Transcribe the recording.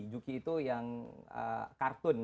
juki itu yang kartun